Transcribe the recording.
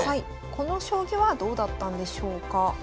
この将棋はどうだったんでしょうか？